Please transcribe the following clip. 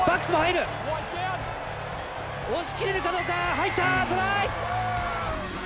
入った！トライ！